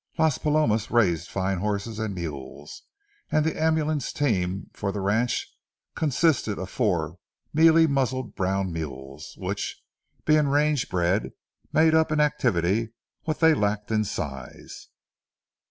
Las Palomas raised fine horses and mules, and the ambulance team for the ranch consisted of four mealy muzzled brown mules, which, being range bred, made up in activity what they lacked in size.